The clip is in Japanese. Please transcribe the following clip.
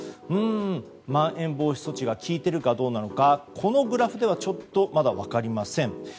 うーん、まん延防止措置が効いているかどうなのかこのグラフではちょっとまだ分かりません。